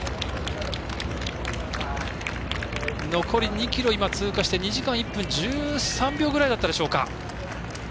残り２ｋｍ通過して２時間１分１３秒ぐらいだったでしょうか。